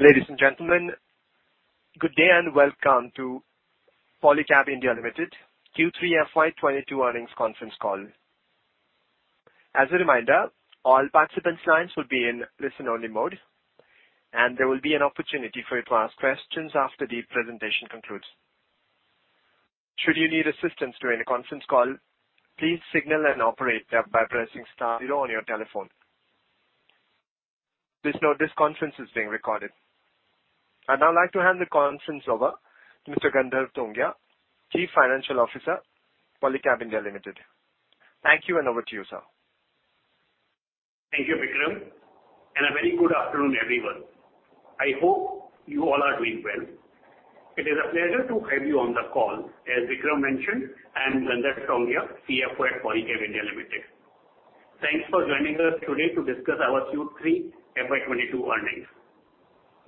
Ladies and gentlemen, good day and welcome to Polycab India Limited Q3 FY 2022 earnings conference call. As a reminder, all participant lines will be in listen-only mode, and there will be an opportunity for you to ask questions after the presentation concludes. Should you need assistance during the conference call, please signal an operator by pressing star zero on your telephone. Please note this conference is being recorded. I'd now like to hand the conference over to Mr. Gandharv Tongia, Chief Financial Officer, Polycab India Limited. Thank you, and over to you, sir. Thank you, Vikram, and a very good afternoon, everyone. I hope you all are doing well. It is a pleasure to have you on the call. As Vikram mentioned, I'm Gandharv Tongia, CFO at Polycab India Limited. Thanks for joining us today to discuss our Q3 FY 2022 earnings.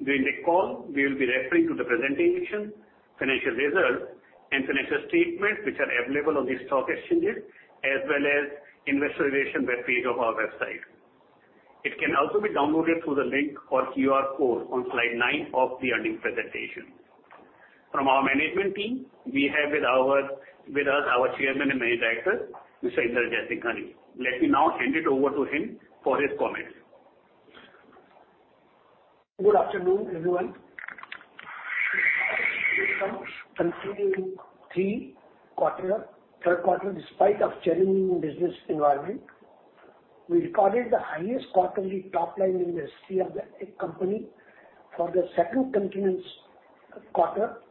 During the call, we'll be referring to the presentation, financial results, and financial statements, which are available on the stock exchanges as well as investor relations web page of our website. It can also be downloaded through the link or QR code on slide nine of the earnings presentation. From our management team, we have with us our Chairman and Managing Director, Mr. Inder T. Jaisinghani. Let me now hand it over to him for his comments. Good afternoon, everyone. In the third quarter, despite a challenging business environment, we recorded the highest quarterly top line in the history of the company for the second continuous quarter,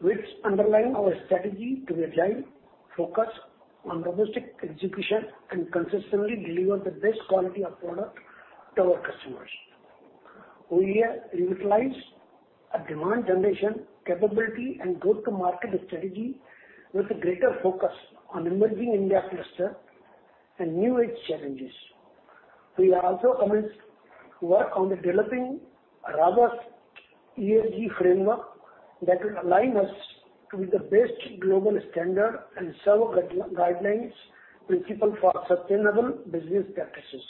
which underlines our strategy to agile focus on logistics execution and consistently deliver the best quality of product to our customers. We have utilized a demand generation capability and go-to-market strategy with a greater focus on emerging India clusters and new-age channels. We have also commenced work on developing a robust ESG framework that will align us with the best global standards and ESG guidelines principles for sustainable business practices.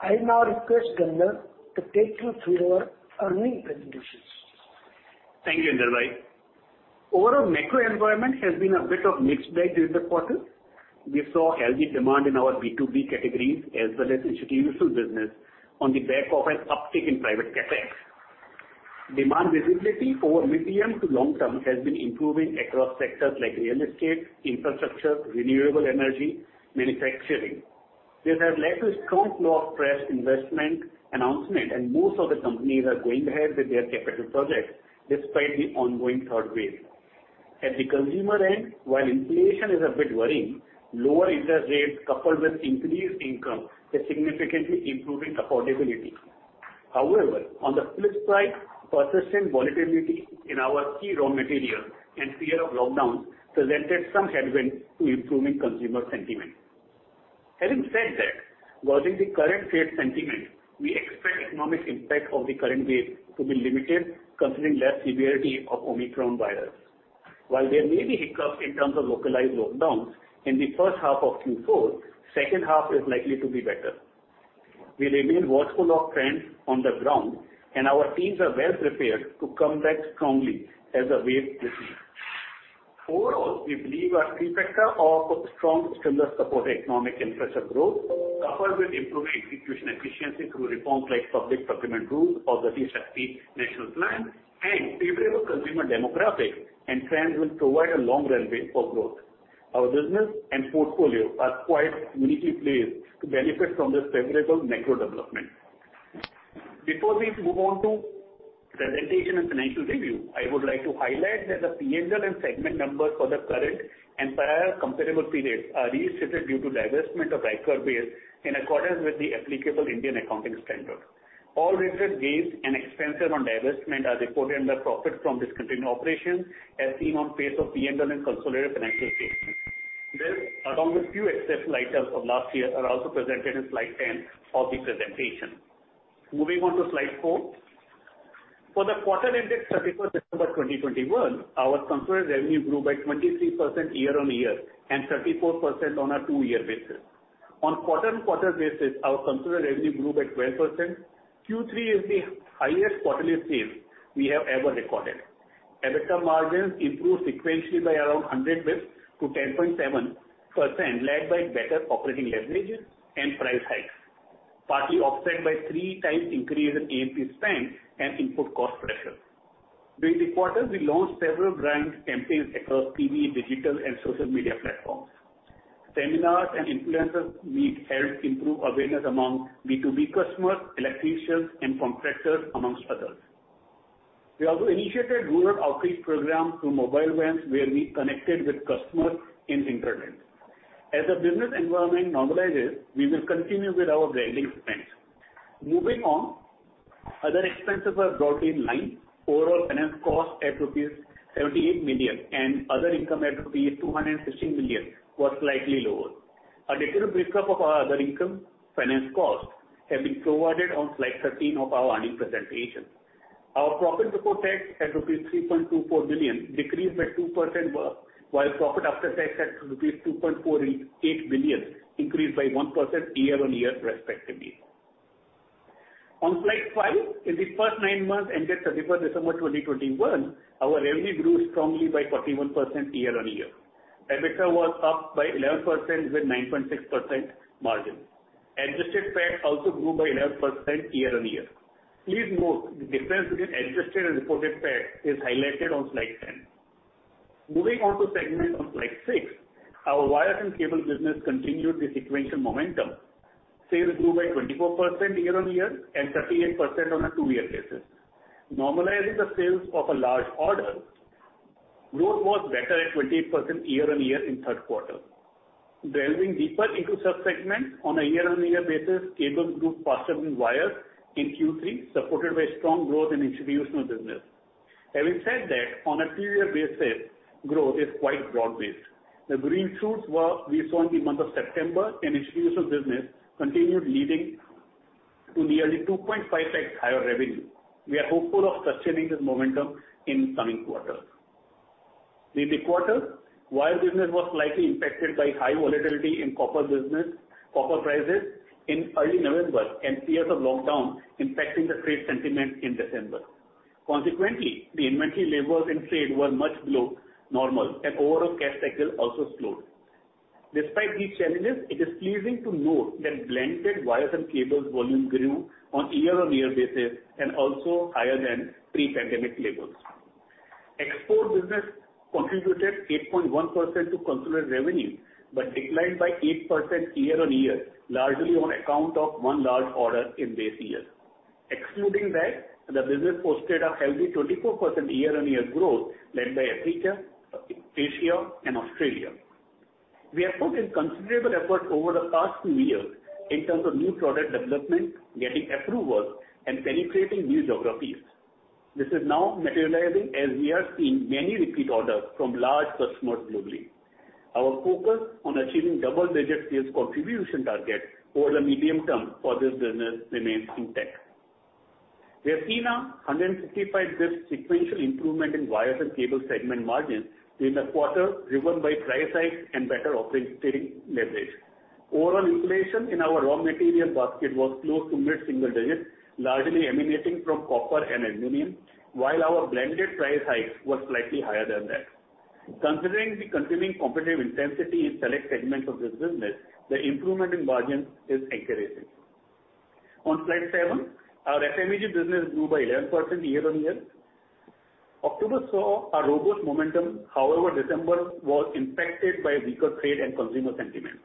I now request Gandharv to take you through our earnings presentation. Thank you, Inder T. Jaisinghani.. Overall macro environment has been a bit of a mixed bag this quarter. We saw healthy demand in our B2B categories as well as institutional business on the back of an uptick in private CapEx. Demand visibility over medium to long term has been improving across sectors like real estate, infrastructure, renewable energy, manufacturing. This has led to a strong flow of fresh investment announcement, and most of the companies are going ahead with their capital projects despite the ongoing third wave. At the consumer end, while inflation is a bit worrying, lower interest rates coupled with increased income is significantly improving affordability. However, on the flip side, persistent volatility in our key raw material and fear of lockdowns presented some headwind to improving consumer sentiment. Having said that, watching the current trade sentiment, we expect economic impact of the current wave to be limited, considering less severity of Omicron virus. While there may be hiccups in terms of localized lockdowns in the first half of Q4, second half is likely to be better. We remain watchful of trends on the ground, and our teams are well prepared to come back strongly as the waves recede. Overall, we believe our trifecta of strong stimulus-supported economic infrastructure growth, coupled with improving execution efficiency through reforms like public procurement rules of the Atmanirbhar Bharat and favorable consumer demographics and trends will provide a long runway for growth. Our business and portfolio are quite uniquely placed to benefit from this favorable macro development. Before we move on to presentation and financial review, I would like to highlight that the P&L and segment numbers for the current and prior comparable periods are restated due to divestment of Ryker Base in accordance with the applicable Ind AS. All realized gains and expenses on divestment are reported under profits from discontinued operations as seen on page 10 of P&L and consolidated financial statements. This, along with few exceptional items from last year, are also presented in slide 10 of the presentation. Moving on to slide four. For the quarter ended 31st December 2021, our consumer revenue grew by 23% year-on-year and 34% on a two-year basis. On quarter-on-quarter basis, our consumer revenue grew by 12%. Q3 is the highest quarterly sales we have ever recorded. EBITDA margins improved sequentially by around 100 basis points to 10.7%, led by better operating leverage and price hikes, partly offset by 3x increase in A&P spend and input cost pressure. During the quarter, we launched several brand campaigns across TV, digital, and social media platforms. Seminars and influencers meet helped improve awareness among B2B customers, electricians, and contractors, among others. We also initiated rural outreach program through mobile vans, where we connected with customers in hinterland. As the business environment normalizes, we will continue with our branding expense. Moving on. Other expenses are broadly in line. Overall finance cost at rupees 78 million and other income at rupees 216 million was slightly lower. A detailed break-up of our other income, finance costs has been provided on slide 13 of our earnings presentation. Our profit before tax at rupees 3.24 billion decreased by 2% while profit after tax at rupees 2.48 billion increased by 1% year-on-year, respectively. On slide five, in the first nine months ended 31st December 2021, our revenue grew strongly by 41% year-on-year. EBITDA was up by 11% with 9.6% margin. Adjusted PAT also grew by 11% year-on-year. Please note the difference between adjusted and reported PAT is highlighted on slide 10. Moving on to the segment on slide six, our wires and cables business continued the sequential momentum. Sales grew by 24% year-on-year and 38% on a two-year basis. Normalizing the sales of a large order, growth was better at 28% year-on-year in third quarter. Delving deeper into sub-segments on a year-on-year basis, cables grew faster than wires in Q3, supported by strong growth in institutional business. Having said that, on a three-year basis, growth is quite broad-based. The green shoots that we saw in the month of September and institutional business continued leading to nearly 2.5x higher revenue. We are hopeful of sustaining this momentum in coming quarters. In the quarter, wire business was slightly impacted by high volatility in copper prices in early November and fears of lockdown impacting the trade sentiment in December. Consequently, the inventory levels in trade were much below normal and overall cash cycle also slowed. Despite these challenges, it is pleasing to note that blended wires and cables volume grew on year-on-year basis and also higher than pre-pandemic levels. Export business contributed 8.1% to consolidated revenue but declined by 8% year-on-year, largely on account of one large order in base year. Excluding that, the business posted a healthy 24% year-on-year growth led by Africa, Asia and Australia. We have put in considerable effort over the past few years in terms of new product development, getting approvals and penetrating new geographies. This is now materializing as we are seeing many repeat orders from large customers globally. Our focus on achieving double-digit sales contribution target over the medium term for this business remains intact. We have seen 155 basis points sequential improvement in wires and cable segment margins in the quarter driven by price hikes and better operating leverage. Overall inflation in our raw material basket was close to mid-single digits, largely emanating from copper and aluminum, while our blended price hikes were slightly higher than that. Considering the continuing competitive intensity in select segments of this business, the improvement in margins is encouraging. On slide seven, our FMEG business grew by 11% year-on-year. October saw a robust momentum, however December was impacted by weaker trade and consumer sentiment.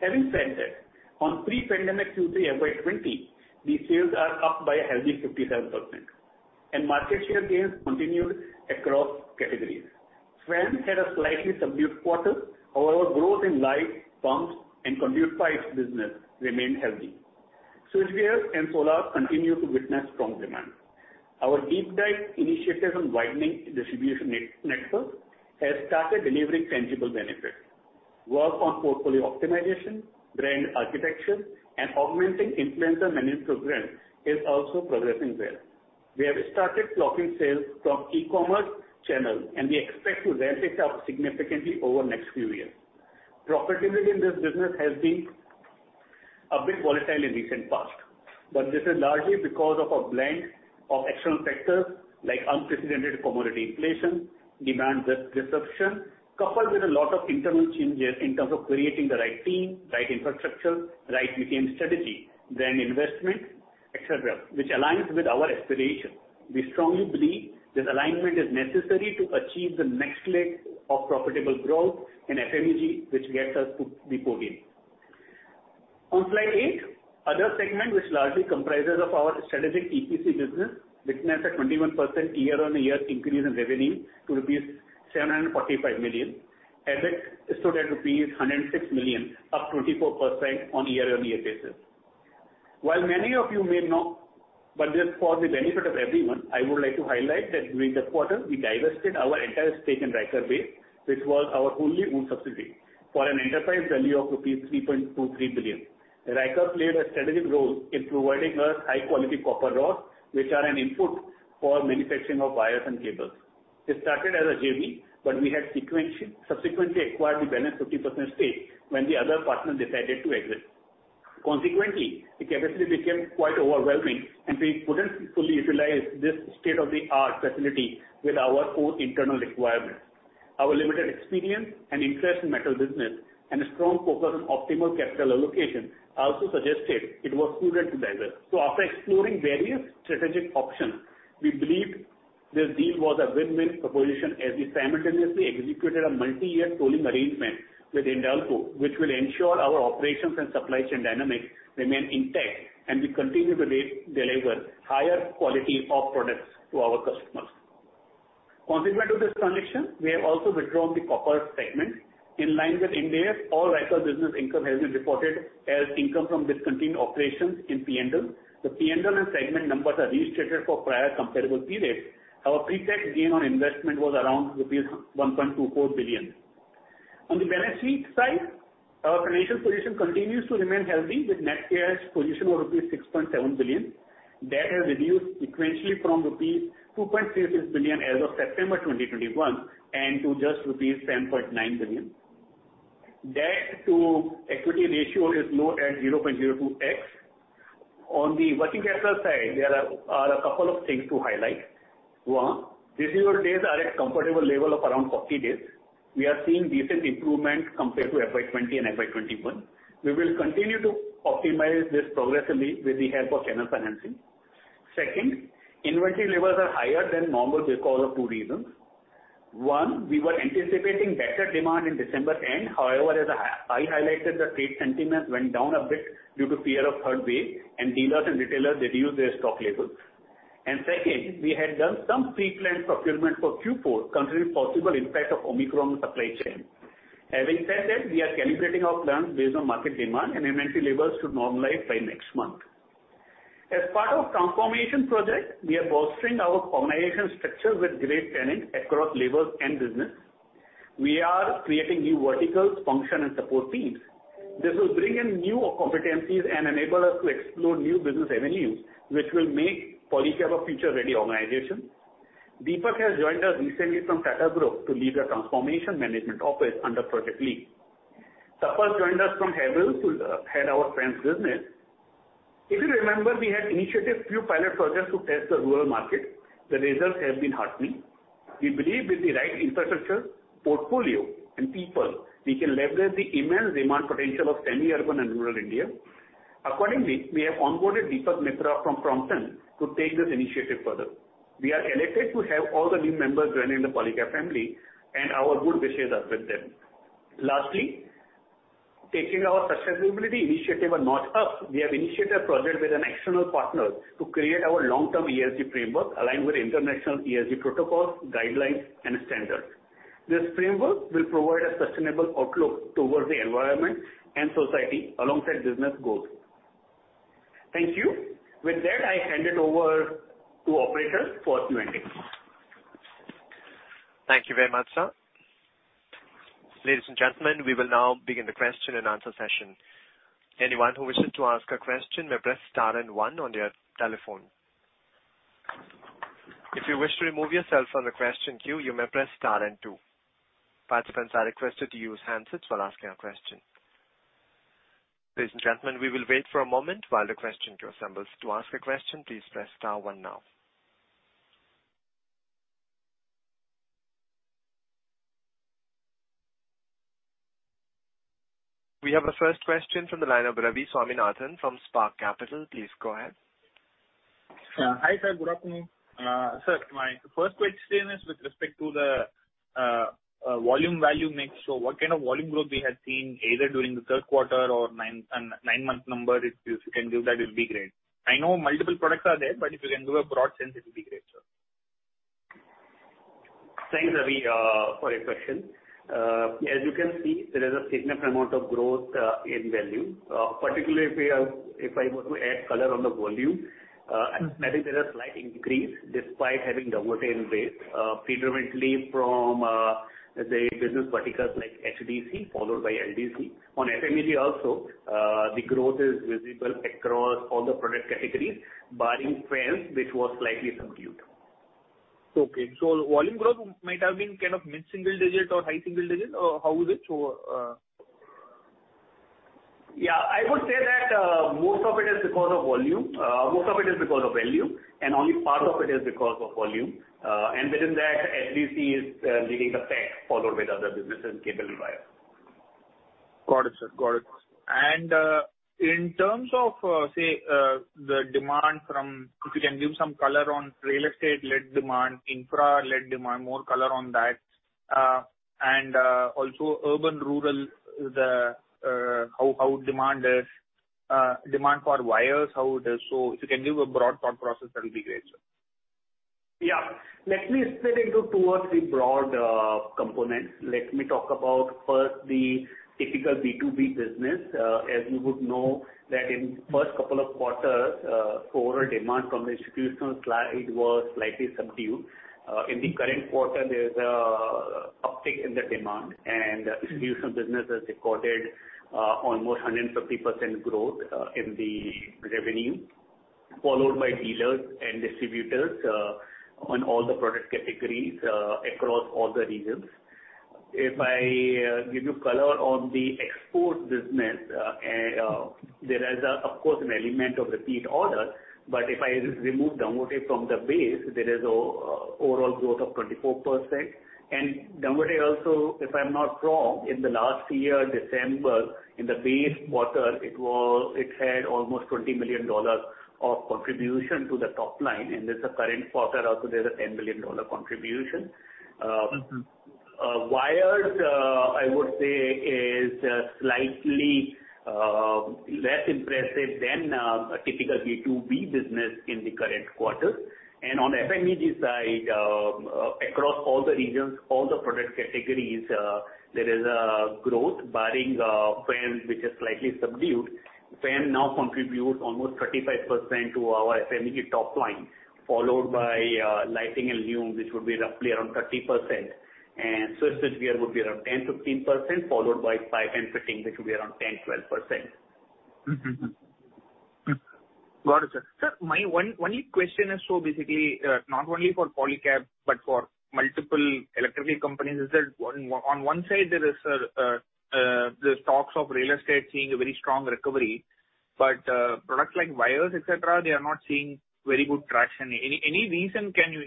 Having said that, on pre-pandemic Q3 FY 2020, the sales are up by a healthy 57% and market share gains continued across categories. Fans had a slightly subdued quarter, however growth in lights, pumps and conduit pipes business remained healthy. Switchgears and solar continue to witness strong demand. Our deep dive initiative on widening distribution network has started delivering tangible benefits. Work on portfolio optimization, brand architecture and augmenting influencer management program is also progressing well. We have started clocking sales from e-commerce channel and we expect to ramp it up significantly over next few years. Profitability in this business has been a bit volatile in recent past, but this is largely because of a blend of external factors like unprecedented commodity inflation, demand reduction, coupled with a lot of internal changes in terms of creating the right team, right infrastructure, right media strategy, brand investment, et cetera, which aligns with our aspiration. We strongly believe this alignment is necessary to achieve the next leg of profitable growth in FMEG, which gets us to the podium. On Slide eight, other segment which largely comprises of our strategic EPC business witnessed a 21% year-on-year increase in revenue to rupees 745 million. EBIT stood at rupees 106 million, up 24% on year-on-year basis. While many of you may know, but just for the benefit of everyone, I would like to highlight that during this quarter we divested our entire stake in Ryker Base, which was our wholly owned subsidiary, for an enterprise value of rupees 3.23 billion. Ryker played a strategic role in providing us high quality copper rods, which are an input for manufacturing of wires and cables. It started as a JV, but we had subsequently acquired the balance 50% stake when the other partner decided to exit. Consequently, the capacity became quite overwhelming, and we couldn't fully utilize this state-of-the-art facility with our own internal requirements. Our limited experience and interest in metal business and a strong focus on optimal capital allocation also suggested it was prudent to divest. After exploring various strategic options, we believed this deal was a win-win proposition as we simultaneously executed a multi-year tolling arrangement with Hindalco, which will ensure our operations and supply chain dynamics remain intact and we continue to deliver higher quality of products to our customers. Consistent with this transaction, we have also withdrawn the copper segment. In line with Ind AS, all Ryker business income has been reported as income from discontinued operations in P&L. The P&L and segment numbers are restated for prior comparable periods. Our pretax gain on investment was around rupees 1.24 billion. On the balance sheet side, our financial position continues to remain healthy with net cash position of rupees 6.7 billion. Debt has reduced sequentially from rupees 2.66 billion as of September 2021 and to just rupees 10.9 billion. Debt to equity ratio is low at 0.02x. On the working capital side, there are a couple of things to highlight. One, receivable days are at comfortable level of around 40 days. We are seeing decent improvement compared to FY 2020 and FY 2021. We will continue to optimize this progressively with the help of channel financing. Second, inventory levels are higher than normal because of two reasons. One, we were anticipating better demand in December end. However, as I highlighted, the trade sentiment went down a bit due to fear of third wave, and dealers and retailers reduced their stock levels. Second, we had done some pre-planned procurement for Q4 considering possible impact of Omicron supply chain. Having said that, we are calibrating our plans based on market demand and inventory levels to normalize by next month. As part of transformation project, we are bolstering our organization structure with great planning across levels and business. We are creating new verticals, function and support teams. This will bring in new competencies and enable us to explore new business revenues, which will make Polycab a future-ready organization. Deepak has joined us recently from Tata Group to lead the transformation management office under Project Leap. Tapan joined us from Havells to head our transformer business. If you remember, we had initiated few pilot projects to test the rural market. The results have been heartening. We believe with the right infrastructure, portfolio and people, we can leverage the immense demand potential of semi-urban and rural India. Accordingly, we have onboarded Dipak Mitra from Promart to take this initiative further. We are elated to have all the new members joining the Polycab family and our good wishes are with them. Lastly, taking our sustainability initiative a notch up, we have initiated a project with an external partner to create our long-term ESG framework aligned with international ESG protocols, guidelines and standards. This framework will provide a sustainable outlook towards the environment and society alongside business goals. Thank you. With that, I hand it over to operator for Q&A. Thank you very much, sir. Ladies and gentlemen, we will now begin the question and answer session. Anyone who wishes to ask a question may press star and one on their telephone. If you wish to remove yourself from the question queue, you may press star and two. Participants are requested to use handsets while asking a question. Ladies and gentlemen, we will wait for a moment while the question queue assembles. To ask a question, please press star one now. We have the first question from the line of Ravi Swaminathan from Spark Capital. Please go ahead. Hi, sir. Good afternoon. Sir, my first question is with respect to the volume value mix. So what kind of volume growth we have seen either during the third quarter or nine-month number, if you can give that, it would be great. I know multiple products are there, but if you can give a broad sense, it would be great, sir. Thanks, Ravi, for your question. As you can see, there is a significant amount of growth in value. Particularly if I were to add color on the volume, I think there is slight increase despite having Domotex base, predominantly from say business verticals like HDC followed by LDC. On FMEG also, the growth is visible across all the product categories, barring fans which was slightly subdued. Okay. Volume growth might have been kind of mid-single-digit or high-single-digit, or how is it over? Yeah, I would say that most of it is because of volume. Most of it is because of value, and only part of it is because of volume. Within that, HVC is leading the pack, followed by the other businesses, cable and wire. Got it, sir. Got it. In terms of if you can give some color on real estate-led demand, infra-led demand, more color on that. Also urban rural, the how demand is, demand for wires, how it is. If you can give a broad thought process, that would be great, sir. Yeah. Let me split into two or three broad components. Let me talk about first the typical B2B business. As you would know that in first couple of quarters, overall demand from the institutional side, it was slightly subdued. In the current quarter, there is an uptick in the demand, and institutional business has recorded almost 150% growth in the revenue, followed by dealers and distributors on all the product categories across all the regions. If I give you color on the export business, there is of course an element of repeat orders, but if I remove Domotex from the base, there is overall growth of 24%. Domotex also, if I'm not wrong, in the last year, December, in the base quarter, it had almost $20 million of contribution to the top line. This current quarter also, there's a $10 million contribution. Mm-hmm. Wires, I would say, is slightly less impressive than a typical B2B business in the current quarter. On FMEG side, across all the regions, all the product categories, there is growth barring fans, which is slightly subdued. Fan now contributes almost 35% to our FMEG top line, followed by lighting and luminaires, which would be roughly around 30%. Switchgear would be around 10%-15%, followed by pipe and fitting, which will be around 10-12%. Got it, sir. Sir, my one question is basically, not only for Polycab, but for multiple electrical companies, that on one side there is the stocks of real estate seeing a very strong recovery, but products like wires, et cetera, they are not seeing very good traction. Any reason can you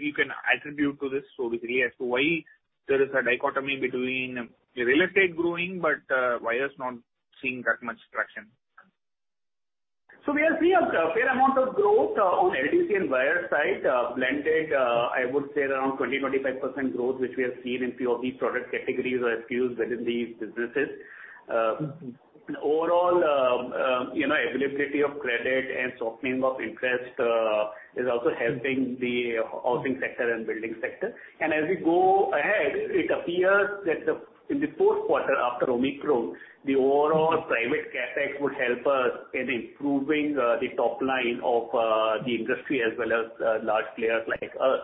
attribute to this basically as to why there is a dichotomy between the real estate growing but wires not seeing that much traction? We are seeing a fair amount of growth on LDC and wire side, blended, I would say around 20%-25% growth, which we have seen in few of these product categories or SKUs within these businesses. Mm-hmm. Overall, you know, availability of credit and softening of interest is also helping the housing sector and building sector. As we go ahead, it appears that in the fourth quarter after Omicron, the overall private CapEx would help us in improving the top line of the industry as well as large players like us.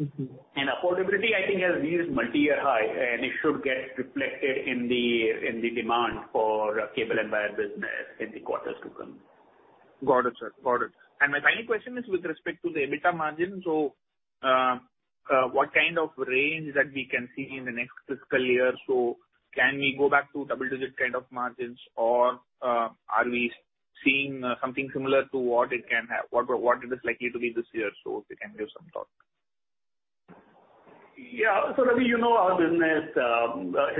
Mm-hmm. Affordability, I think, has reached multi-year high and it should get reflected in the demand for cable and wire business in the quarters to come. Got it, sir. Got it. My final question is with respect to the EBITDA margin. What kind of range that we can see in the next fiscal year? Can we go back to double-digit kind of margins or are we seeing something similar to what it can have, what it is likely to be this year? If you can give some thought. Yeah. Ravi, you know, our business,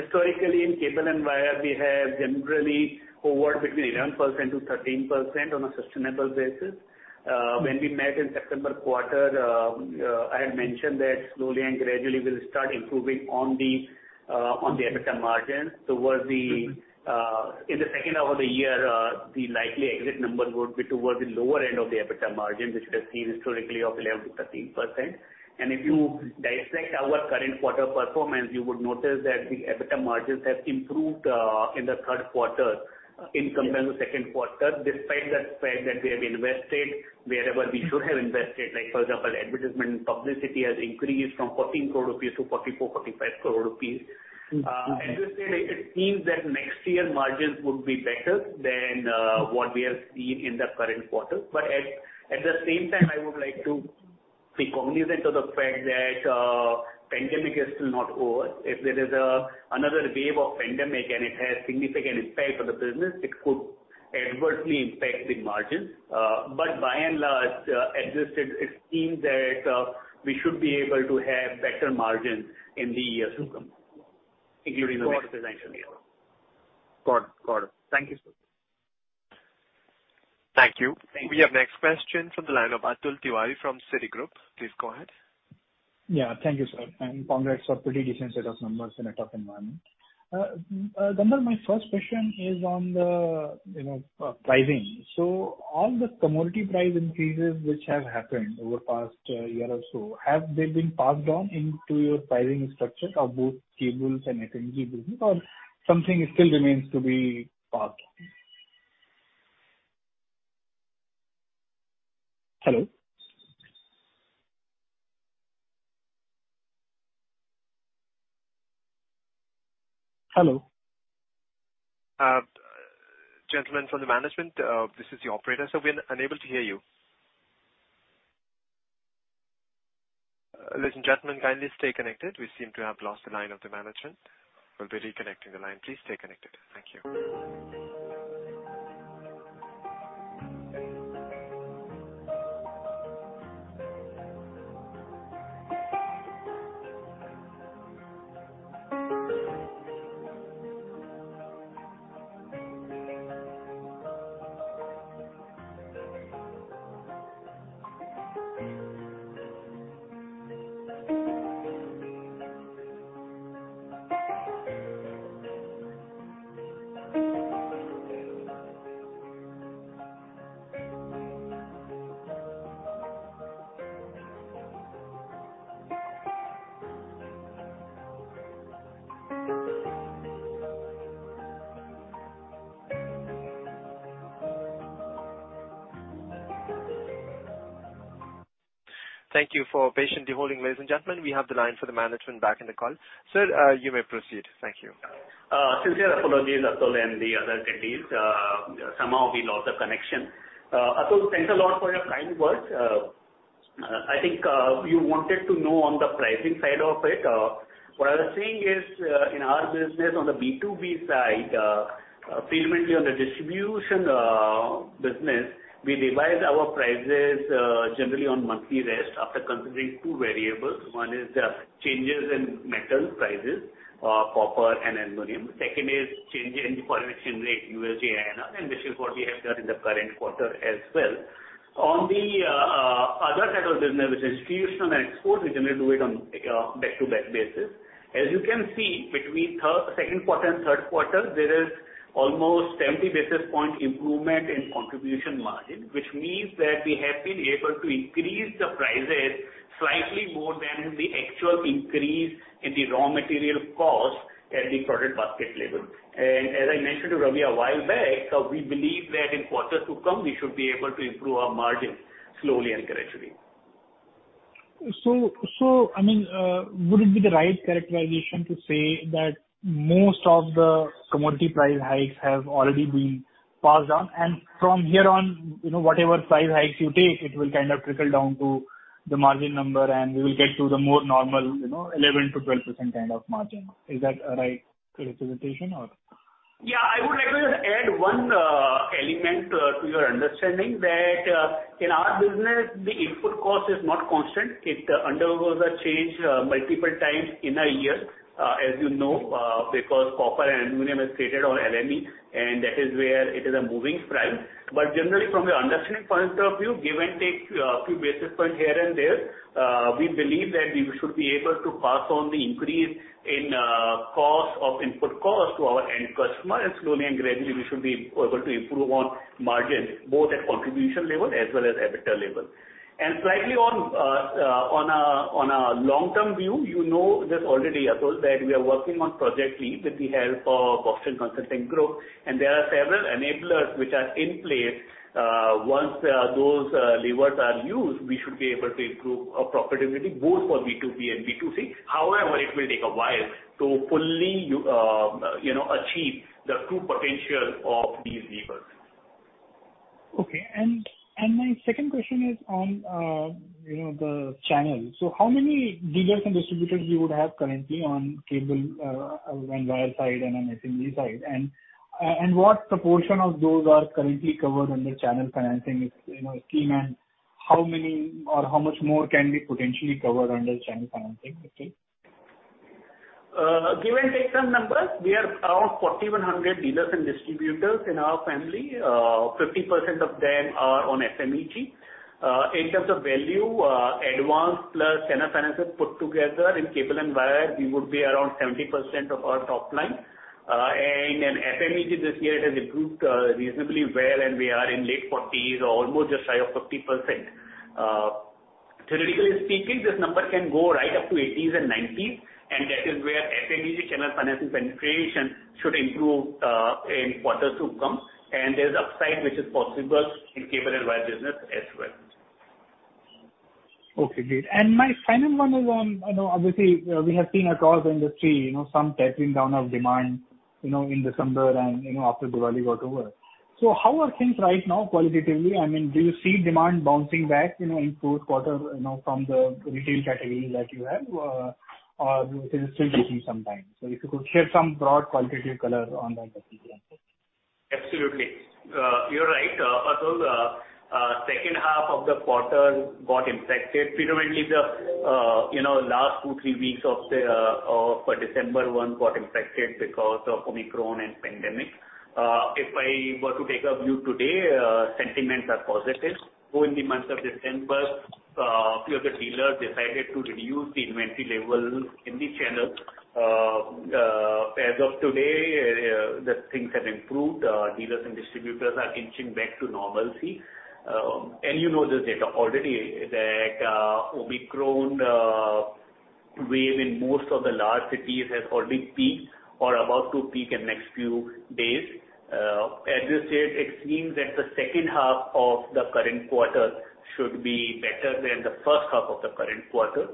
historically in cable and wire, we have generally hovered between 11%-13% on a sustainable basis. Mm-hmm. When we met in September quarter, I had mentioned that slowly and gradually we'll start improving on the EBITDA margins towards the. Mm-hmm. In the second half of the year, the likely exit numbers would be towards the lower end of the EBITDA margin, which we have seen historically of 11%-13%. If you dissect our current quarter performance, you would notice that the EBITDA margins have improved in the third quarter in comparison to second quarter, despite the fact that we have invested wherever we should have invested, like for example, advertisement and publicity has increased from 14 crore rupees to 44-45 crore rupees. Mm-hmm. At this stage it seems that next year margins would be better than what we have seen in the current quarter. At the same time, I would like to be cognizant of the fact that pandemic is still not over. If there is another wave of pandemic and it has significant impact on the business, it could adversely impact the margins. By and large, at this stage it seems that we should be able to have better margins in the years to come, including the next financial year. Got it. Thank you, sir. Thank you. Thank you. We have next question from the line of Atul Tiwari from Citigroup. Please go ahead. Yeah, thank you, sir, and congrats for pretty decent set of numbers in a tough environment. Gandharv Tongia, my first question is on the, you know, pricing. So all the commodity price increases which have happened over past year or so, have they been passed on into your pricing structure of both cables and FMEG business or something still remains to be passed? Hello? Hello? Gentlemen from the management, this is the operator. We're unable to hear you. Ladies and gentlemen, kindly stay connected. We seem to have lost the line of the management. We'll be reconnecting the line. Please stay connected. Thank you. Thank you for patiently holding, ladies and gentlemen. We have the line for the management back in the call. Sir, you may proceed. Thank you. Sincere apologies, Atul, and the other attendees. Somehow we lost the connection. Atul, thanks a lot for your kind words. I think you wanted to know on the pricing side of it. What I was saying is, in our business on the B2B side, primarily on the distribution business, we revise our prices generally on monthly basis after considering two variables. One is the changes in metal prices, copper and aluminum. Second is change in foreign exchange rate, USD/INR, and this is what we have done in the current quarter as well. On the other side of business, which is institutional and export, we generally do it on back-to-back basis. As you can see between second quarter and third quarter, there is almost 70 basis point improvement in contribution margin, which means that we have been able to increase the prices slightly more than the actual increase in the raw material cost at the product basket level. As I mentioned to Ravi a while back, we believe that in quarters to come, we should be able to improve our margin slowly and gradually. I mean, would it be the right characterization to say that most of the commodity price hikes have already been passed on, and from here on, you know, whatever price hikes you take, it will kind of trickle down to the margin number, and we will get to the more normal, you know, 11%-12% kind of margin. Is that a right representation or? Yeah, I would like to just add one element to your understanding that in our business the input cost is not constant. It undergoes a change multiple times in a year as you know because copper and aluminum is traded on LME, and that is where it is a moving price. But generally from the understanding point of view, give and take few basis points here and there, we believe that we should be able to pass on the increase in cost of input costs to our end customer. Slowly and gradually we should be able to improve on margin both at contribution level as well as EBITDA level. Slightly on a long-term view, you know this already, Atul, that we are working on Project Leap with the help of Boston Consulting Group, and there are several enablers which are in place. Once those levers are used, we should be able to improve our profitability both for B2B and B2C. However, it will take a while to fully, you know, achieve the true potential of these levers. Okay. My second question is on, you know, the channel. How many dealers and distributors you would have currently on cable and wire side and on FMEG side? What proportion of those are currently covered under channel financing, you know, scheme? How many or how much more can be potentially covered under channel financing scheme? Give and take some numbers, we are around 4,100 dealers and distributors in our family. 50% of them are on FMEG. In terms of value, advances plus channel financing put together in cable and wire, we would be around 70% of our top line. In FMEG this year it has improved reasonably well, and we are in late 40s or almost just high of 50%. Theoretically speaking, this number can go right up to 80s and 90s, and that is where FMEG channel financing penetration should improve in quarters to come. There's upside which is possible in cable and wire business as well. Okay, great. My final one is on, you know, obviously, we have seen across the industry, you know, some tapering down of demand, you know, in December and, you know, after Diwali got over. So how are things right now qualitatively? I mean, do you see demand bouncing back, you know, in fourth quarter, you know, from the retail category that you have? Or it is still taking some time. So if you could share some broad qualitative color on that particularly. Absolutely. You're right, Atul. Second half of the quarter got impacted. Predominantly, you know, last two, three weeks of December 2021 got impacted because of Omicron and pandemic. If I were to take a view today, sentiments are positive. Though in the month of December, few of the dealers decided to reduce the inventory levels in the channels. As of today, the things have improved. Dealers and distributors are inching back to normalcy. You know this data already that Omicron wave in most of the large cities has already peaked or about to peak in next few days. At this stage, it seems that the second half of the current quarter should be better than the first half of the current quarter.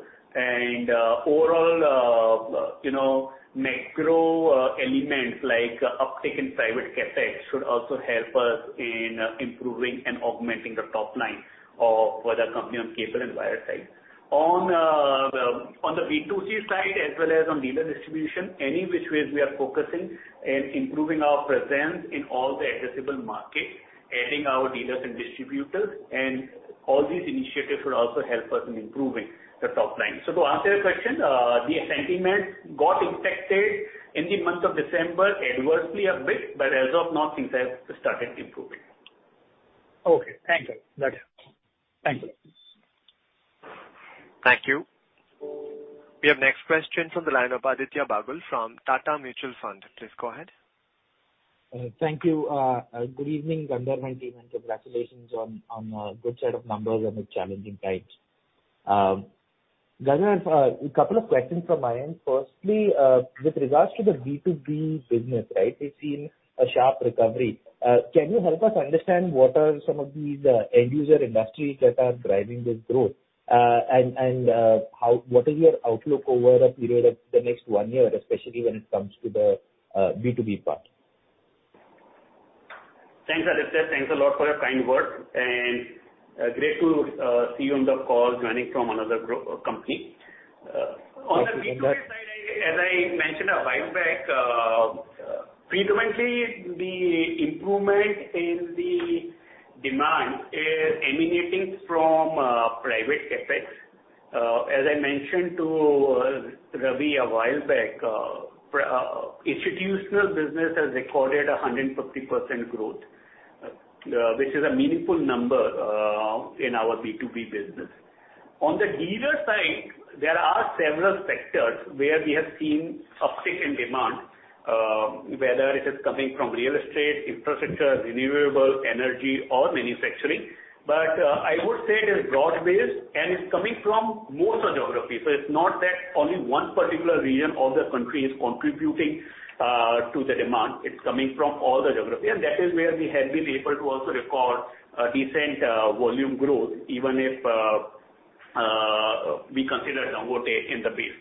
Overall, you know, macro elements like uptick in private CapEx should also help us in improving and augmenting the top line for the company on cable and wire side. Well, on the B2C side as well as on dealer distribution, any which ways we are focusing in improving our presence in all the addressable markets, adding our dealers and distributors, and all these initiatives would also help us in improving the top line. To answer your question, the sentiment got impacted in the month of December adversely a bit, but as of now things have started improving. Okay. Thank you. That's it. Thank you. Thank you. We have next question from the line of Aditya Bagul from Tata Mutual Fund. Please go ahead. Thank you. Good evening, Gandharv and team, and congratulations on a good set of numbers in the challenging times. Gandharv, a couple of questions from my end. Firstly, with regards to the B2B business, right, we've seen a sharp recovery. Can you help us understand what are some of the end user industries that are driving this growth? And what is your outlook over a period of the next one year, especially when it comes to the B2B part? Thanks, Aditya. Thanks a lot for your kind words, and great to see you on the call joining from another company. Thank you for that. On the B2B side, I, as I mentioned a while back, predominantly the improvement in the demand is emanating from private CapEx. As I mentioned to Ravi a while back, institutional business has recorded 150% growth, which is a meaningful number in our B2B business. On the dealer side, there are several sectors where we have seen uptick in demand, whether it is coming from real estate, infrastructure, renewable energy or manufacturing. I would say it is broad-based, and it's coming from most geographies. It's not that only one particular region of the country is contributing to the demand. It's coming from all the geographies, and that is where we have been able to also record a decent volume growth, even if we consider low base.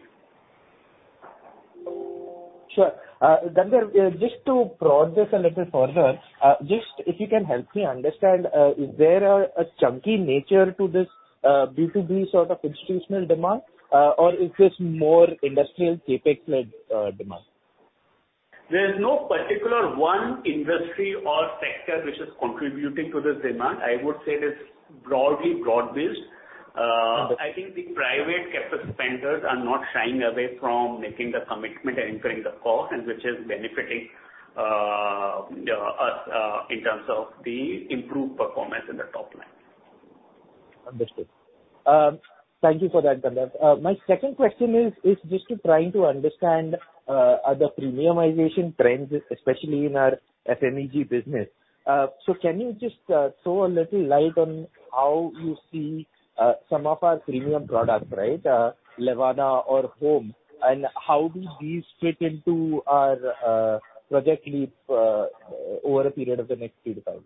Sure. Gandharv, just to prod this a little further, just if you can help me understand, is there a chunky nature to this B2B sort of institutional demand, or is this more industrial CapEx led demand? There is no particular one industry or sector which is contributing to this demand. I would say it is broad-based. I think the private capital spenders are not shying away from making the commitment and incurring the cost, and which is benefiting us in terms of the improved performance in the top line. Understood. Thank you for that, Gandharv. My second question is just trying to understand the premiumization trends, especially in our FMEG business. So can you just throw a little light on how you see some of our premium products, right, Levana or Hohm, and how do these fit into our Project Leap over a period of the next three to five years?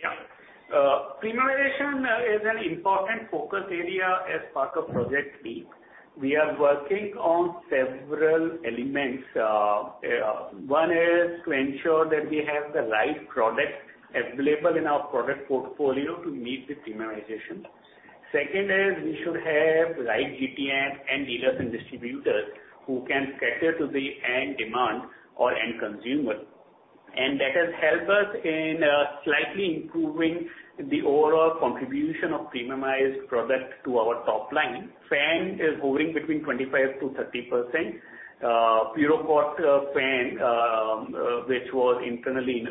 Yeah. Premiumization is an important focus area as part of Project Leap. We are working on several elements. One is to ensure that we have the right product available in our product portfolio to meet the premiumization. Second is we should have right GTM and dealers and distributors who can cater to the end demand or end consumer. That has helped us in slightly improving the overall contribution of premiumized products to our top line. Fan is hovering between 25%-30%. Purocoat Fan, which was internally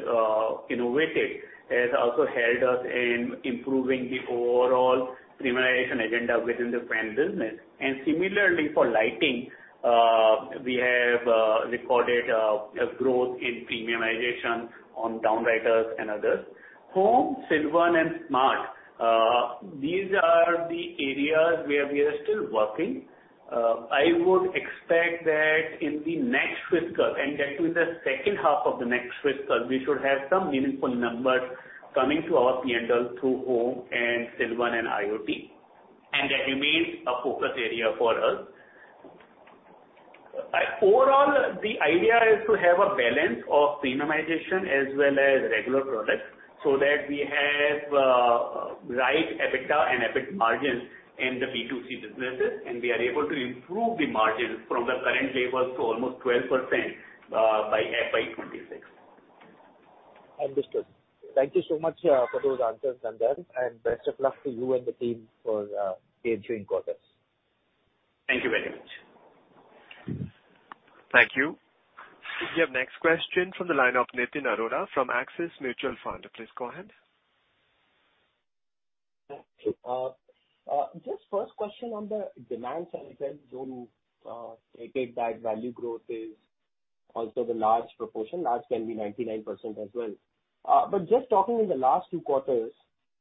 innovative, has also helped us in improving the overall premiumization agenda within the fan business. Similarly, for lighting, we have recorded a growth in premiumization on downlighters and others. Hohm, Silvan and Smart these are the areas where we are still working. I would expect that in the next fiscal, and that too in the second half of the next fiscal, we should have some meaningful numbers coming to our P&L through Hohm and Silvan and IoT, and that remains a focus area for us. Overall, the idea is to have a balance of premiumization as well as regular products so that we have right EBITDA and EBIT margins in the B2C businesses, and we are able to improve the margins from the current levels to almost 12% by FY 2026. Understood. Thank you so much for those answers, Gandharv, and best of luck to you and the team for the ensuing quarters. Thank you very much. Thank you. We have next question from the line of Nitin Arora from Axis Mutual Fund. Please go ahead. Thank you. Just first question on the demand side itself, though, take it that value growth is also the large proportion. Large can be 99% as well. Just talking in the last two quarters,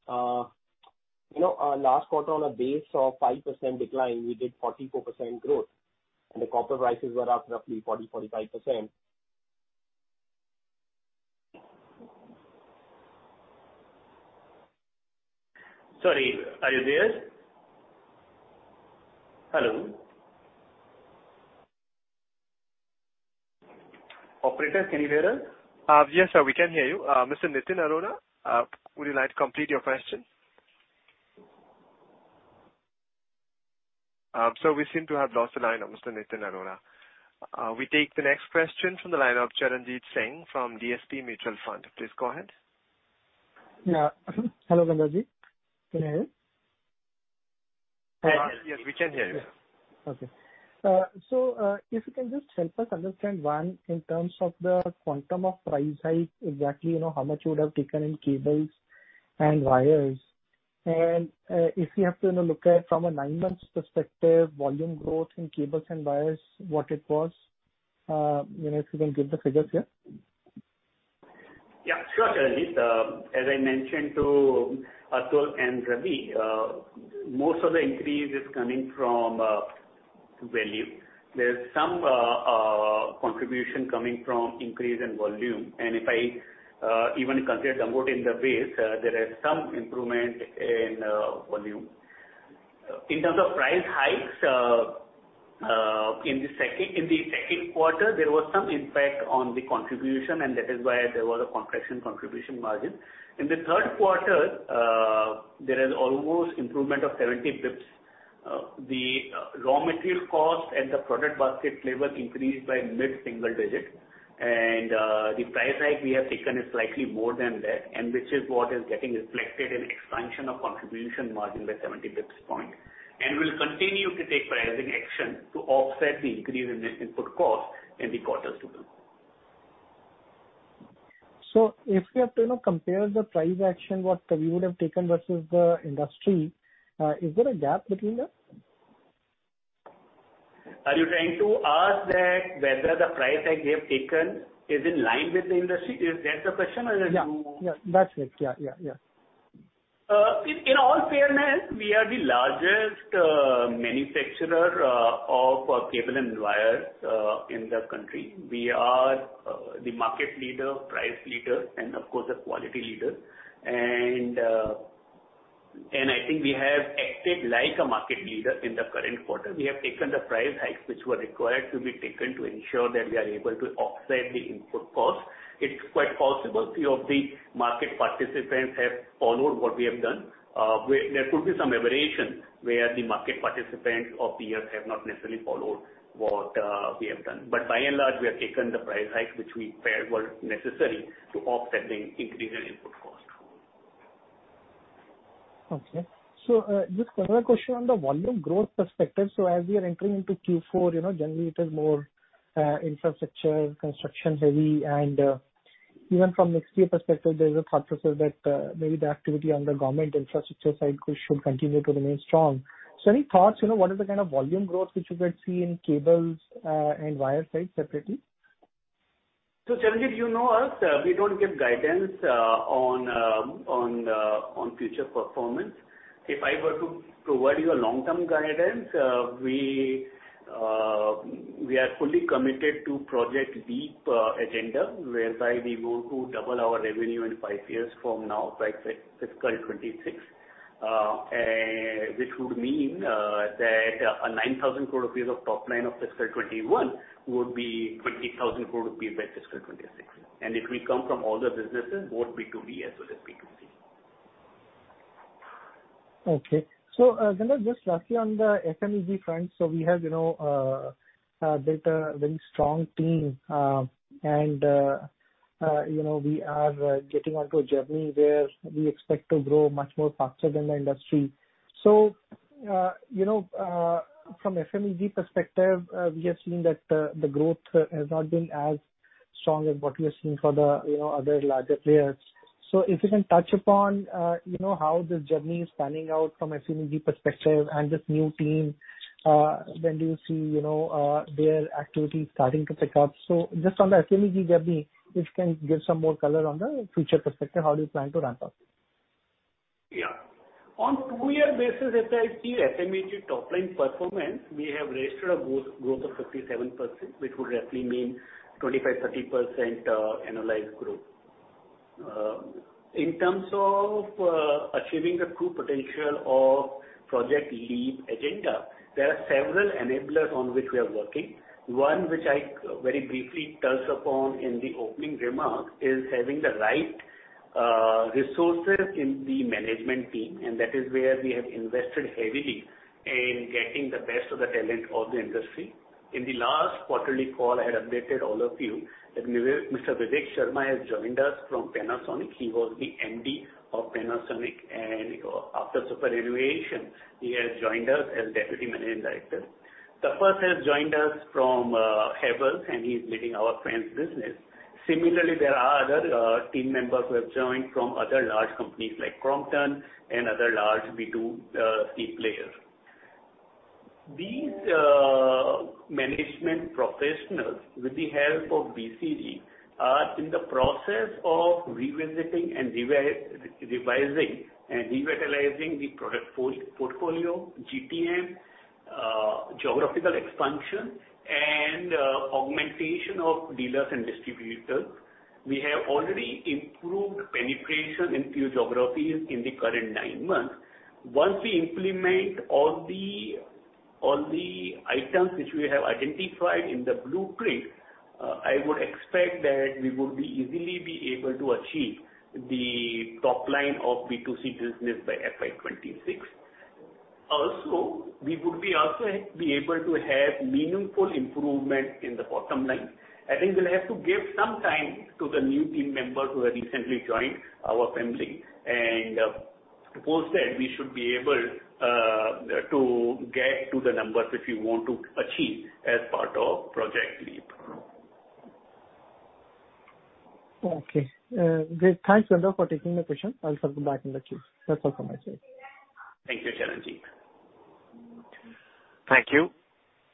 you know, last quarter on a base of 5% decline, we did 44% growth and the copper prices were up roughly 40%-45%. Sorry, are you there? Hello? Operator, can you hear us? Yes, sir, we can hear you. Mr. Nitin Arora, would you like to complete your question? We seem to have lost the line of Mr. Nitin Arora. We take the next question from the line of Charanjit Singh from DSP Mutual Fund. Please go ahead. Yeah. Hello, Gandharv Tongia. Can you hear me? Yes, we can hear you. Okay. So, if you can just help us understand, one, in terms of the quantum of price hike, exactly, you know, how much you would have taken in cables and wires. If you have to, you know, look at from a nine months perspective, volume growth in cables and wires, what it was. You know, if you can give the figures here. Yeah, sure, Charanjit. As I mentioned to Atul and Ravi, most of the increase is coming from value. There's some contribution coming from increase in volume. If I even consider the mix in the base, there is some improvement in volume. In terms of price hikes, in the second quarter, there was some impact on the contribution and that is why there was a contraction contribution margin. In the third quarter, there is almost improvement of 70 basis points. The raw material cost and the product basket level increased by mid-single digit. The price hike we have taken is slightly more than that, and which is what is getting reflected in expansion of contribution margin by 70 basis points. We'll continue to take pricing action to offset the increase in the input cost in the quarters to come. If we have to, you know, compare the price action, what we would have taken versus the industry, is there a gap between that? Are you trying to ask that whether the price hike we have taken is in line with the industry? Is that the question or you? Yeah. Yeah, that's it. Yeah. Yeah, yeah. In all fairness, we are the largest manufacturer of cable and wires in the country. We are the market leader, price leader, and of course a quality leader. I think we have acted like a market leader in the current quarter. We have taken the price hikes which were required to be taken to ensure that we are able to offset the input costs. It's quite possible few of the market participants have followed what we have done. Where there could be some aberration where the market participants over the years have not necessarily followed what we have done. By and large, we have taken the price hike which we felt were necessary to offset the increasing input cost. Okay. Just another question on the volume growth perspective. As we are entering into Q4, you know, generally it is more infrastructure and construction heavy and even from next year perspective, there is a thought process that maybe the activity on the government infrastructure side should continue to remain strong. Any thoughts, you know, what is the kind of volume growth which you could see in cables and wire side separately? Charanjit, you know us, we don't give guidance on future performance. If I were to provide you a long-term guidance, we are fully committed to Project Leap agenda, whereby we want to double our revenue in five years from now by FY 2026. And which would mean that 9,000 crore rupees of top line of FY 2021 would be 20,000 crore rupees by FY 2026. It will come from all the businesses, both B2B as well as B2C. Okay, Gandharv, just lastly on the FMEG front, we have, you know, built a very strong team, and, you know, we are getting onto a journey where we expect to grow much more faster than the industry. You know, from FMEG perspective, we have seen that the growth has not been as strong as what we are seeing for the, you know, other larger players. If you can touch upon, you know, how this journey is panning out from FMEG perspective and this new team, when do you see, you know, their activity starting to pick up. Just on the FMEG journey, if you can give some more color on the future perspective, how you plan to ramp up. On two-year basis, as I see FMEG top line performance, we have registered a growth of 57%, which would roughly mean 25%-30% organic growth. In terms of achieving the true potential of Project Leap agenda, there are several enablers on which we are working. One which I very briefly touched upon in the opening remarks is having the right resources in the management team, and that is where we have invested heavily in getting the best of the talent of the industry. In the last quarterly call, I had updated all of you that Mr. Vivek Sharma has joined us from Panasonic. He was the MD of Panasonic, and after superannuation, he has joined us as deputy managing director. Tapan has joined us from Havells, and he's leading our Fans business. Similarly, there are other team members who have joined from other large companies like Crompton and other large B2C players. These management professionals with the help of BCG are in the process of revisiting and revising and revitalizing the product portfolio, GPM, geographical expansion and augmentation of dealers and distributors. We have already improved penetration in few geographies in the current nine months. Once we implement all the items which we have identified in the blueprint, I would expect that we would be easily able to achieve the top line of B2C business by FY 2026. Also, we would be able to have meaningful improvement in the bottom line. I think we'll have to give some time to the new team members who have recently joined our family and, post that we should be able to get to the numbers which we want to achieve as part of Project Leap. Okay. Great. Thanks, Gandharv, for taking the question. I'll circle back in the queue. That's all from my side. Thank you, Charanjit. Thank you.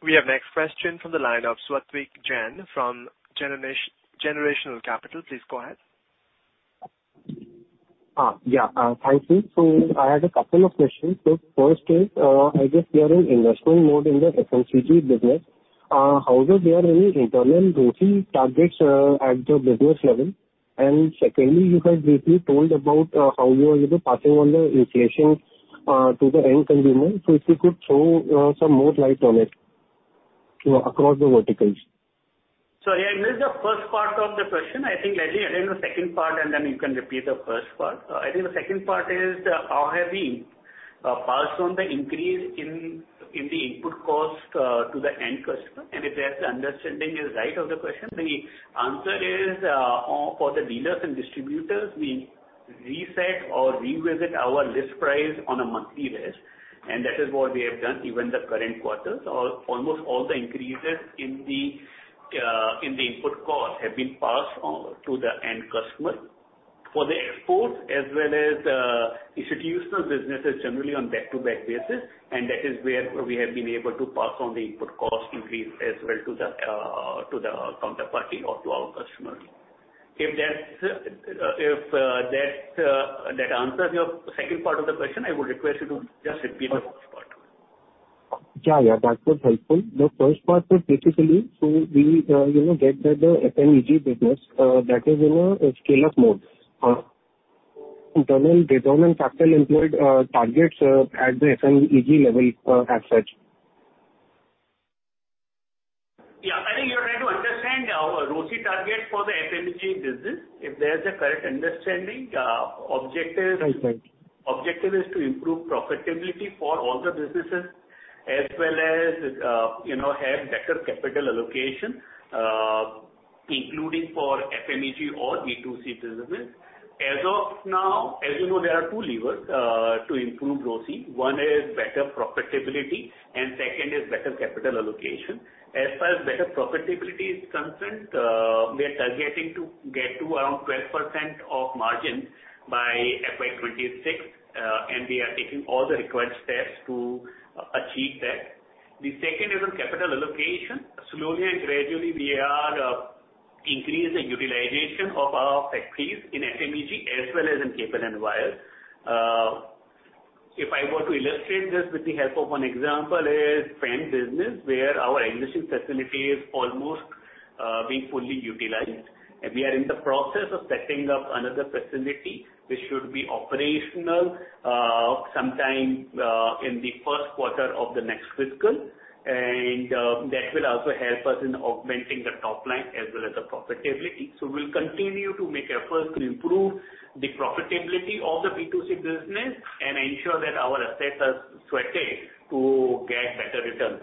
We have next question from the line of Satwik Jain from Generational Capital. Please go ahead. Yeah, thank you. I had a couple of questions. First is, I guess you are in investment mode in the FMEG business. How are the real internal growth targets at the business level? And secondly, you had briefly told about how you are able to pass on the inflation to the end consumer. If you could throw some more light on it across the verticals. Yeah, I missed the first part of the question. I think maybe I addressed the second part, and then you can repeat the first part. I think the second part is how have we passed on the increase in the input cost to the end customer? If that understanding is right, of the question, the answer is for the dealers and distributors, we reset or revisit our list price on a monthly basis, and that is what we have done even in the current quarters. Almost all the increases in the input cost have been passed on to the end customer. For the exports as well as institutional businesses generally on back-to-back basis, and that is where we have been able to pass on the input cost increase as well to the counterparty or to our customers. If that answers your second part of the question, I would request you to just repeat it. Yeah, yeah, that was helpful. The first part was basically to be, you know, get the FMEG business that is in a scale-up mode. Internal return on capital employed targets at the FMEG level, as such. Yeah. I think you're trying to understand our ROCE target for the FMEG business, if that's a correct understanding. Right, right. objective is to improve profitability for all the businesses as well as, you know, have better capital allocation, including for FMEG or B2C businesses. As of now, as you know, there are two levers to improve ROCE. One is better profitability, and second is better capital allocation. As far as better profitability is concerned, we are targeting to get to around 12% margin by FY 2026, and we are taking all the required steps to achieve that. The second is on capital allocation. Slowly and gradually we are increasing utilization of our factories in FMEG as well as in cable and wire. If I were to illustrate this with the help of one example is Fans business, where our existing facility is almost being fully utilized, and we are in the process of setting up another facility which should be operational sometime in the first quarter of the next fiscal. That will also help us in augmenting the top line as well as the profitability. We'll continue to make efforts to improve the profitability of the B2C business and ensure that our assets are sweating to get better returns.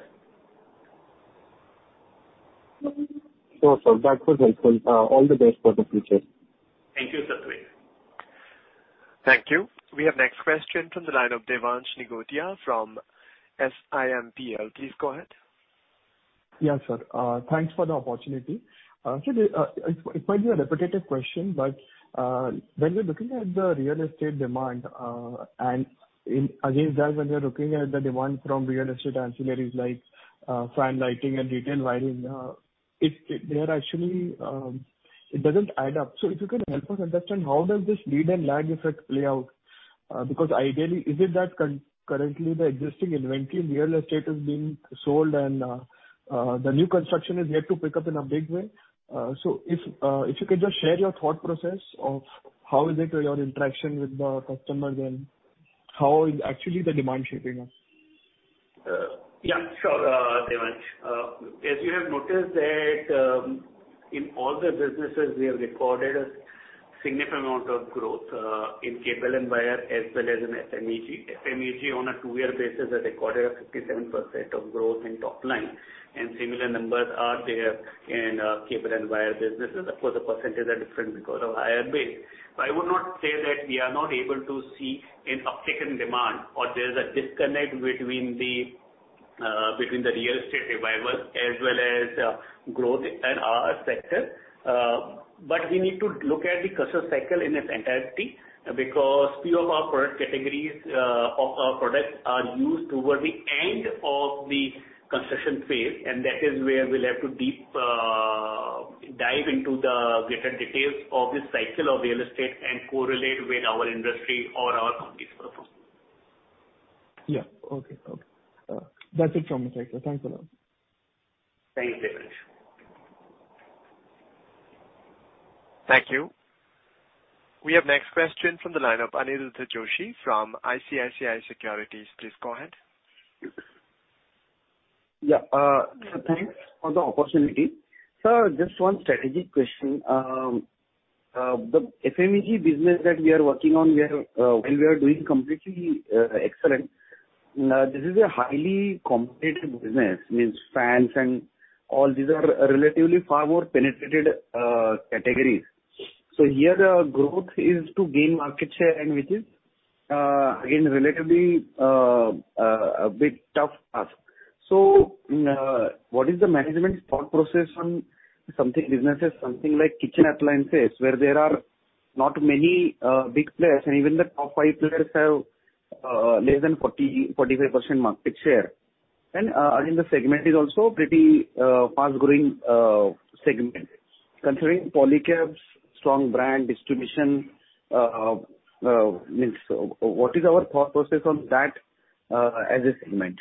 Awesome. That was helpful. All the best for the future. Thank you, Satwik. Thank you. We have next question from the line of Devansh Nigotia from SIMPL. Please go ahead. Yeah, sir. Thanks for the opportunity. It might be a repetitive question, but when you're looking at the real estate demand, and in contrast to that, when you're looking at the demand from real estate ancillaries like fans, lighting, and wiring, it actually doesn't add up. If you can help us understand how does this lead and lag effect play out? Because ideally, is it that concurrently the existing inventory in real estate is being sold and the new construction is yet to pick up in a big way? If you could just share your thought process of how your interaction with the customers is and how the demand is actually shaping up? Yeah, sure, Devansh. As you have noticed that, in all the businesses we have recorded a significant amount of growth, in cable and wire as well as in FMEG. FMEG on a two-year basis has recorded a 57% growth in top line, and similar numbers are there in cable and wire businesses. Of course, the percentages are different because of higher base. I would not say that we are not able to see an uptick in demand or there's a disconnect between the real estate revival as well as growth in our sector. We need to look at the construction cycle in its entirety because few of our product categories, of our products are used toward the end of the construction phase, and that is where we'll have to dive into the greater details of this cycle of real estate and correlate with our industry or our company's performance. Yeah. Okay. That's it from my side, sir. Thanks a lot. Thank you, Devansh. Thank you. We have next question from the line of Aniruddha Joshi from ICICI Securities. Please go ahead. Yeah. Sir, thanks for the opportunity. Sir, just one strategic question. The FMEG business that we are working on, while we are doing completely excellent, this is a highly competitive business, means fans and all these are relatively far more penetrated categories. Here the growth is to gain market share and which is again relatively a bit tough task. What is the management's thought process on businesses like kitchen appliances where there are not many big players and even the top five players have less than 45% market share. I mean, the segment is also pretty fast-growing segment. Considering Polycab's strong brand distribution, means, what is our thought process on that as a segment?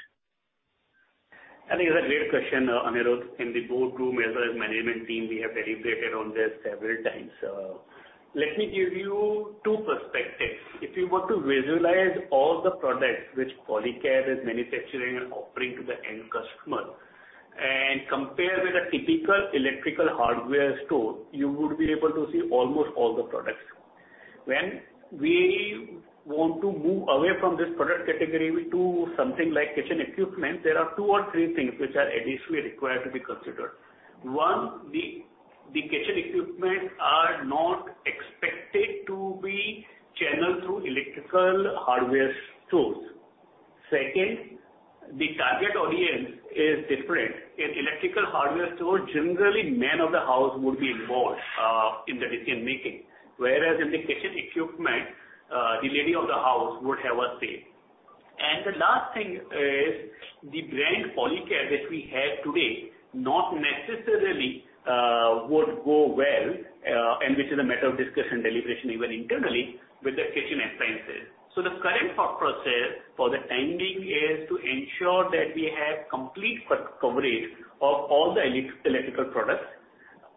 I think it's a great question, Aniruddha. In the boardroom as a management team, we have deliberated on this several times. Let me give you two perspectives. If you were to visualize all the products which Polycab is manufacturing and offering to the end customer and compare with a typical electrical hardware store, you would be able to see almost all the products. When we want to move away from this product category to something like kitchen equipment, there are two or three things which are additionally required to be considered. One, the kitchen equipment are not expected to be channeled through electrical hardware stores. Second, the target audience is different. In electrical hardware store, generally, man of the house would be involved in the decision-making. Whereas in the kitchen equipment, the lady of the house would have a say. The last thing is the brand Polycab that we have today not necessarily would go well, and which is a matter of discussion, deliberation even internally with the kitchen appliances. The current thought process for the timing is to ensure that we have complete coverage of all the electrical products.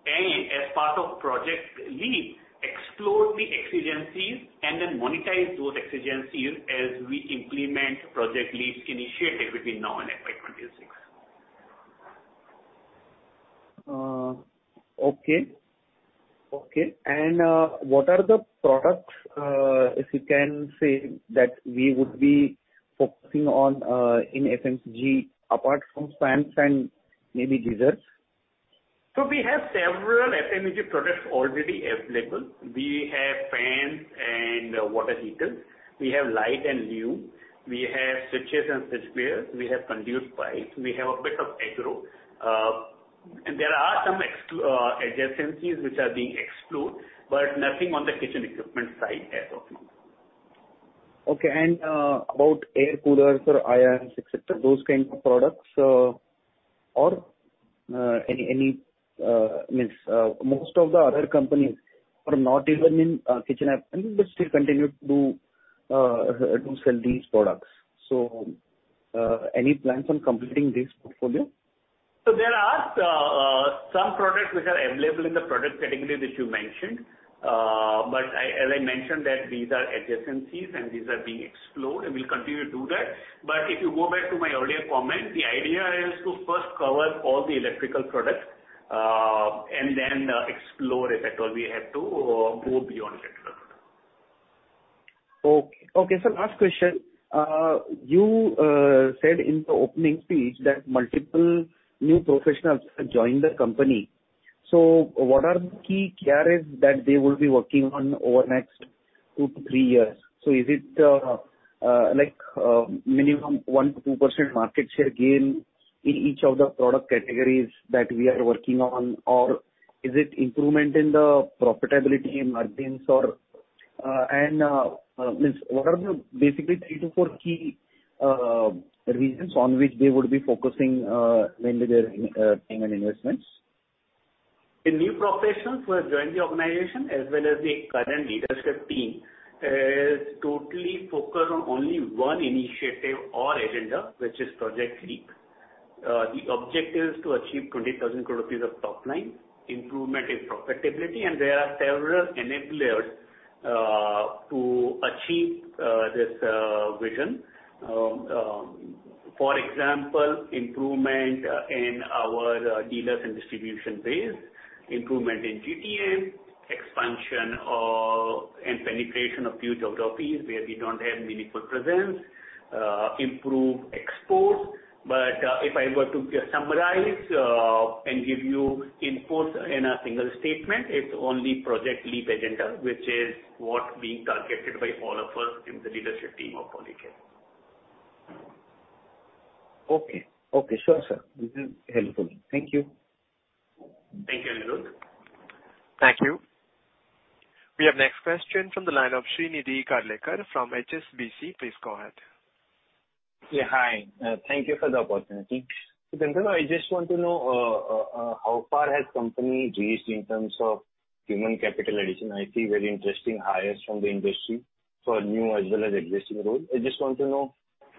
As part of Project Leap, explore the exigencies and then monetize those exigencies as we implement Project Leap's initiative between now and FY 2026. What are the products, if you can say that we would be focusing on in FMEG apart from fans and maybe switches? We have several FMEG products already available. We have fans and water heaters. We have lights and luminaires. We have switches and switch gears. We have conduit pipes. We have a bit of agro. There are some adjacencies which are being explored, but nothing on the kitchen equipment side as of now. Okay. About air coolers or irons, et cetera, those kinds of products, most of the other companies are not even in kitchen appliances, but still continue to sell these products. Any plans on completing this portfolio? There are some products which are available in the product category that you mentioned. As I mentioned that these are adjacencies and these are being explored, and we'll continue to do that. If you go back to my earlier comment, the idea is to first cover all the electrical products, and then explore if at all we have to go beyond that. Okay, sir. Last question. You said in the opening speech that multiple new professionals have joined the company. What are the key KRs that they will be working on over the next two-three years? Is it, like, minimum 1%-2% market share gain in each of the product categories that we are working on? Or is it improvement in the profitability margins or, and, means what are the basically three-four key reasons on which they would be focusing when they're making investments? The new professionals who have joined the organization as well as the current leadership team is totally focused on only one initiative or agenda, which is Project Leap. The objective is to achieve 20,000 crore rupees of top line, improvement in profitability, and there are several enablers to achieve this vision. For example, improvement in our dealers and distribution base, improvement in GTM, expansion of and penetration of few geographies where we don't have meaningful presence, improve exports. If I were to summarize and give you inputs in a single statement, it's only Project Leap agenda, which is what being targeted by all of us in the leadership team of Polycab. Okay. Sure, sir. This is helpful. Thank you. Thank you, Aniruddha. Thank you. We have next question from the line of Shrinidhi Karlekar from HSBC. Please go ahead. Yeah, hi. Thank you for the opportunity. Gandharv, I just want to know how far has company reached in terms of human capital addition. I see very interesting hires from the industry for new as well as existing roles. I just want to know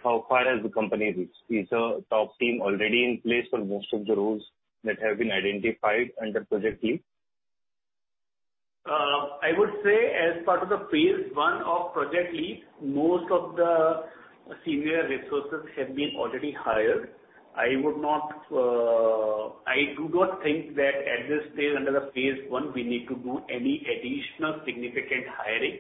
how far has the company reached. Is the top team already in place for most of the roles that have been identified under Project Leap? I would say as part of the phase one of Project Leap, most of the senior resources have been already hired. I would not. I do not think that at this stage, under the phase one, we need to do any additional significant hiring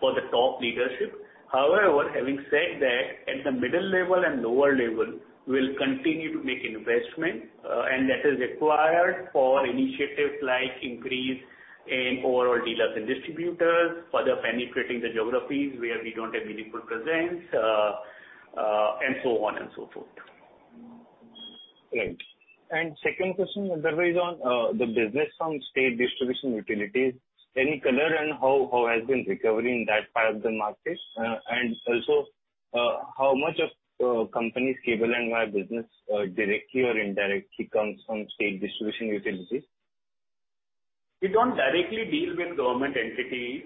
for the top leadership. However, having said that, at the middle level and lower level, we'll continue to make investment, and that is required for initiatives like increase in overall dealers and distributors, further penetrating the geographies where we don't have meaningful presence, and so on and so forth. Right. Second question, Gandharv, is on the business from state distribution utilities. Any color on how has been recovery in that part of the market? Also, how much of company's cable and wire business directly or indirectly comes from state distribution utilities? We don't directly deal with government entities,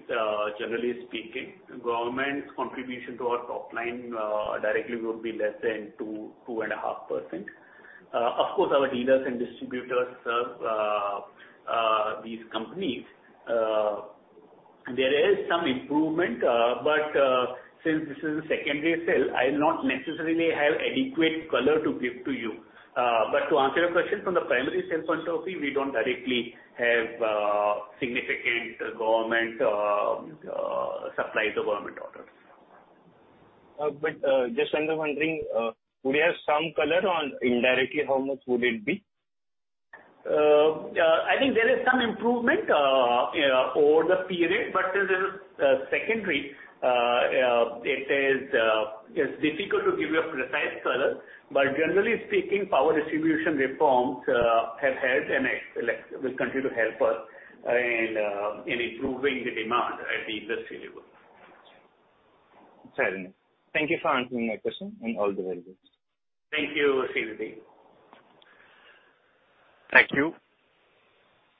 generally speaking. Government contribution to our top line, directly would be less than 2.5%. Of course, our dealers and distributors serve these companies. There is some improvement, but since this is a secondary sale, I'll not necessarily have adequate color to give to you. To answer your question from the primary sales point of view, we don't directly have significant government supplies or government orders. Just, I'm wondering, could we have some color on indirectly how much would it be? I think there is some improvement, you know, over the period, but since it's secondary, it's difficult to give you a precise color. But generally speaking, power distribution reforms have helped and, like, will continue to help us in improving the demand at the industry level. Fair enough. Thank you for answering my question and all the very best. Thank you, Shrinidhi. Thank you.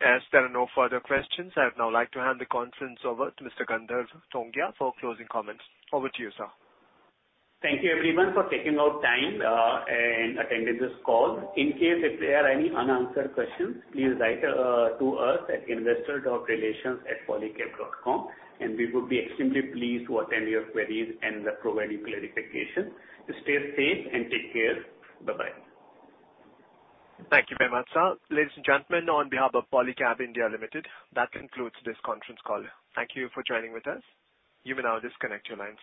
As there are no further questions, I would now like to hand the conference over to Mr. Gandharv Tongia for closing comments. Over to you, sir. Thank you everyone for taking out time, and attending this call. In case if there are any unanswered questions, please write, to us at investor.relations@polycab.com, and we would be extremely pleased to attend your queries and, provide you clarification. Stay safe and take care. Bye-bye. Thank you very much, sir. Ladies and gentlemen, on behalf of Polycab India Limited, that concludes this conference call. Thank you for joining with us. You may now disconnect your lines.